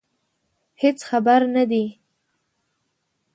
هېڅ خبر نه دي.